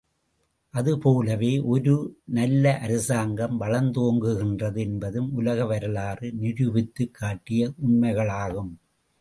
அது போலவே, ஒரு நல்ல அரசாங்கம் வளர்ந்தோங்குகின்றது, என்பதும் உலக வரலாறு நிரூபித்துக் காட்டிய உண்மைகளாகும்.